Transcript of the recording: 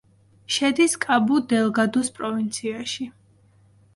შედის კაბუ-დელგადუს პროვინციაში.